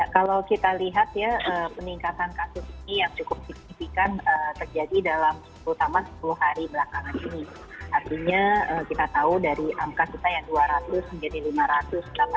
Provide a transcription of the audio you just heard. kalau kita lihat ya peningkatan kasus ini yang cukup signifikan terjadi dalam